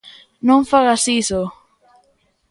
Non fagas iso!